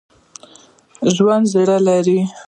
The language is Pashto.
ژوندي زړه لري